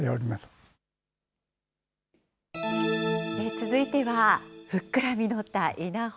続いてはふっくら実った稲穂。